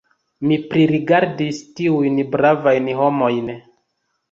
Mi pririgardis tiujn bravajn homojn.